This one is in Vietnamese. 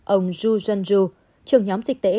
ông zhu zhenzhu trưởng nhóm dịch tễ